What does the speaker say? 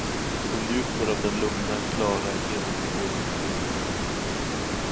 Hon njuter av den lugna, klara, genomskådande blicken.